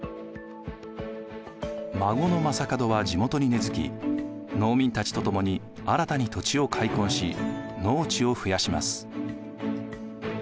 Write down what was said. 孫の将門は地元に根づき農民たちと共に新たに土地を開墾し農地を増やします。